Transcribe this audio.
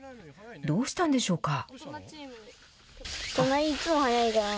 どうしたんでしょうか。